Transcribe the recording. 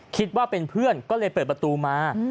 คิดว่าเป็นเพื่อนก็เลยเปิดประตูมา